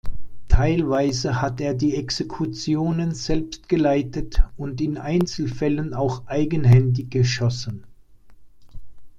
Teilweise hat er die Exekutionen selbst geleitet und in Einzelfällen auch eigenhändig geschossen.